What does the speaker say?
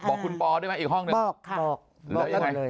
บอกคุณปอด้วยไหมอีกห้องหนึ่งบอกค่ะบอกบอกเลย